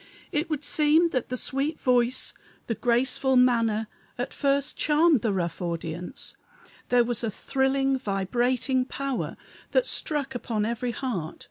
It would seem that the sweet voice, the graceful manner, at first charmed the rough audience; there was a thrilling, vibrating power, that struck upon every heart.